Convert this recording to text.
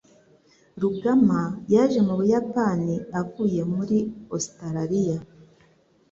Rugama yaje mu Buyapani avuye muri Ositaraliya.